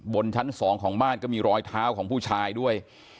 ชั้น๒ของบ้านก็มีรอยเท้าของผู้ชายด้วย